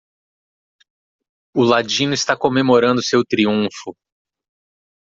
O ladino está comemorando seu triunfo.